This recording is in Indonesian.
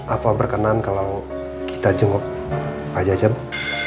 apa berkenan kalau kita jenguk pak jaja bu